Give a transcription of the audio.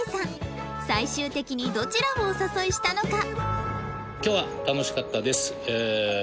最終的にどちらをお誘いしたのか？